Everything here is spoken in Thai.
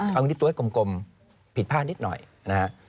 เอาอยู่ที่ตัวเลขกลมผิดพลาดนิดหน่อยนะฮะ